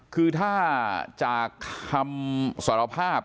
คือถ้าจากคำสารภาพ